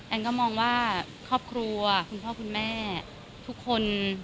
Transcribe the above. ก็มองว่าครอบครัวคุณพ่อคุณแม่ทุกคน